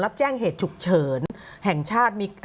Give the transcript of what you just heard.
รับแจ้งเหตุฉุกเฉินแห่งชาติ